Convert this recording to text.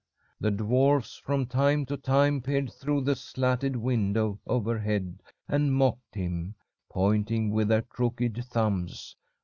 "The dwarfs from time to time peered through the slatted window overhead and mocked him, pointing with their crooked thumbs.